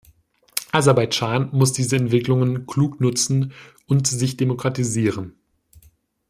Aserbaidschan muss diese Entwicklungen klug nutzen und sich demokratisieren.